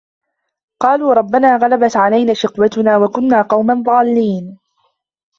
قَالُوا رَبَّنَا غَلَبَتْ عَلَيْنَا شِقْوَتُنَا وَكُنَّا قَوْمًا ضَالِّينَ